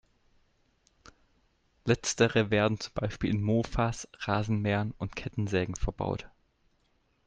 Letztere werden zum Beispiel in Mofas, Rasenmähern und Kettensägen verbaut.